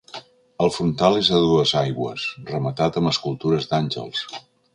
El frontal és a dues aigües, rematat amb escultures d'àngels.